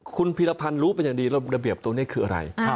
คุณพีรพันธ์รู้เป็นอย่างดีระเบียบตัวนี้คืออะไร